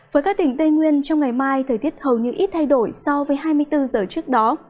với các tỉnh tây nguyên trong ngày mai thời tiết hầu như ít thay đổi so với hai mươi bốn giờ trước đó